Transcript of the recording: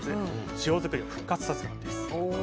塩づくりを復活させたんです。